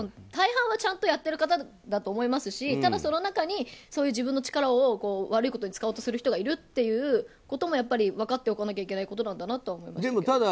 大半はちゃんとやってる方だと思いますしただ、その中にそういう自分の力を悪いことに使おうとする人もいるということも分かっておかなきゃいけないことなんだなと思います。